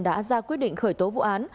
đã ra quyết định khởi tố vụ án